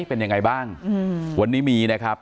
เป็นยังไงบ้างวันนี้มีนะครับ